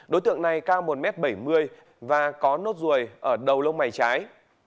đối tượng này cao một m bảy mươi và có nốt ruồi ở đầu lông mày trái